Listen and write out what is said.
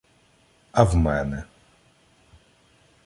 А в мене.